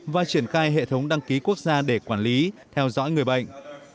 và triển khai hệ thống đăng ký quốc gia để quản lý theo dõi người bệnh